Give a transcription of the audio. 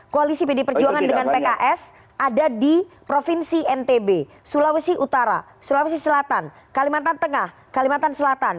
koalisi pd perjuangan dengan pks ada di provinsi ntb sulawesi utara sulawesi selatan kalimantan tengah kalimantan selatan